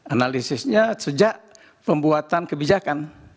analisisnya sejak pembuatan kebijakan